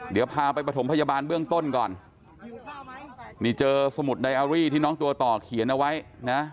เดี๋ยวพาไปประถมพยาบาลเบื้องต้นก่อนนี่เจอสมุดไดอารี่ที่น้องตัวต่อเขียนเอาไว้นะ